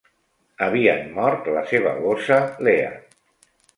Havien mort la seva gossa Lea.